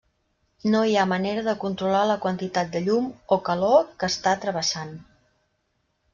No hi ha manera de controlar la quantitat de llum o calor que està travessant.